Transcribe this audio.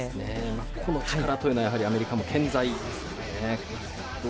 個の力というのはアメリカも健在ですね。